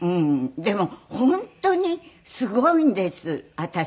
でも本当にすごいんです私。